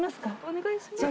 ・お願いします。